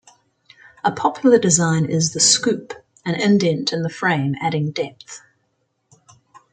A popular design is the scoop, an indent in the frame adding depth.